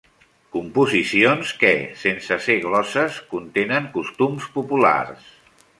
Composicions que, sense ser glosses, contenen costums populars.